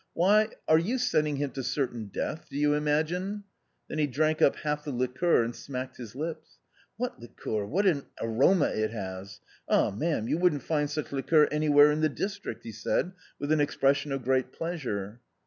"Why, are you sending him to certain death, do you imagine ?" Then he drank up half the liqueur and smacked his lips. " What liqueur ! What an aroma it has ! Ah, ma'am, you wouldn't find such liqueur anywhere in the district !" he said, with an expression of great pleasure.